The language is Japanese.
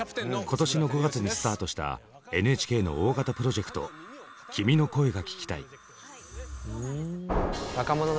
今年の５月にスタートしたＮＨＫの大型プロジェクト「君の声が聴きたい」。